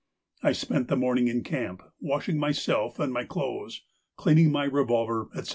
I spent the morning in camp, washing myself and my clothes, cleaning my revolver, etc.